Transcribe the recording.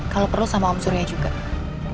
kalau perlu sama om surya juga